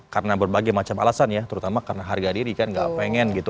karena berbagai macam alasan ya terutama karena harga diri kan nggak pengen gitu